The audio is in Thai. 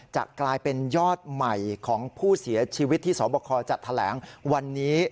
จะกลายเป็นยอดใหม่ของผู้เสียชีวิตที่สบคจัดแถลงวันนี้